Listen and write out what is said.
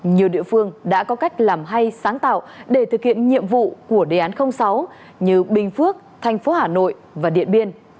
nhiều địa phương đã có cách làm hay sáng tạo để thực hiện nhiệm vụ của đề án sáu như bình phước thành phố hà nội và điện biên